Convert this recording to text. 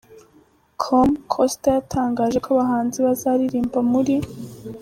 com, Costa yatangaje ko abahanzi bazaririmba muri.